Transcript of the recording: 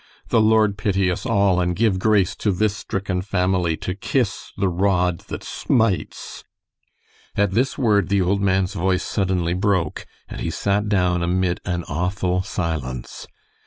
The Lord pity us all, and give grace to this stricken family to kiss the rod that smites." At this word the old man's voice suddenly broke, and he sat down amid an awful silence.